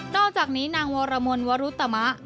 อกจากนี้นางวรมนวรุตมะ